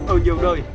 ở nhiều nơi